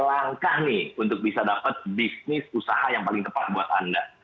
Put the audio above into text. langkah nih untuk bisa dapat bisnis usaha yang paling tepat buat anda